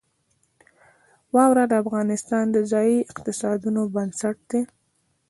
واوره د افغانستان د ځایي اقتصادونو بنسټ دی.